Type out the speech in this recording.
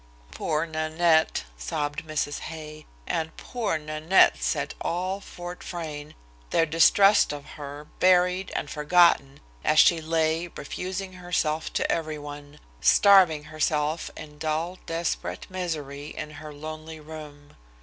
"Poor Nanette!" sobbed Mrs. Hay, and "Poor Nanette!" said all Fort Frayne, their distrust of her buried and forgotten as she lay, refusing herself to everyone; starving herself in dull, desperate misery in her lonely room.